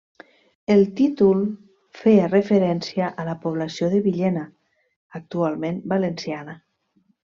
El títol feia referència a la població de Villena, actualment valenciana.